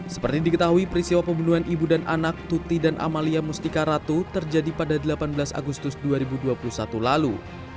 seperti diketahui peristiwa pembunuhan ibu dan anak tuti dan amalia mustika ratu terjadi pada delapan belas agustus dua ribu dua puluh satu lalu